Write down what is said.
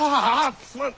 すまん！